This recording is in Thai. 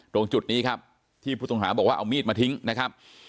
ตรงจุดนี้ครับที่ผู้ต้องหาบอกว่าเอามีดมาทิ้งนะครับ